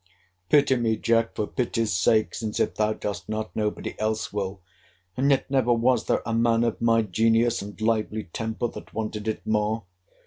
Pity me, Jack, for pity's sake; since, if thou dost not, nobody else will: and yet never was there a man of my genius and lively temper that wanted it more.